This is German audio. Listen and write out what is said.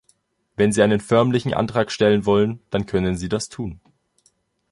Wenn Sie einen förmlichen Antrag stellen wollen, dann können Sie das tun.